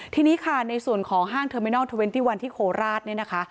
ทีนี้ค่ะในส่วนของห้างเทอร์มินอลเทอร์เวนตี้วันที่โคราชเนี่ยนะคะ